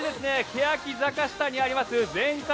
けやき坂下にあります全開！！